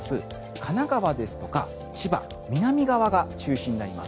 神奈川ですとか千葉、南側が中心になります。